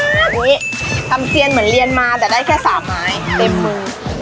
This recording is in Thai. อย่างนี้ทำเซียนเหมือนเรียนมาแต่ได้แค่๓ไม้เต็มมือ